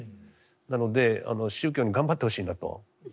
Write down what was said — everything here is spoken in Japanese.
なので宗教に頑張ってほしいなと。